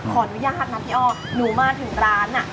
ขออนุญาตนะพี่อ้อหนูมาถึงร้าน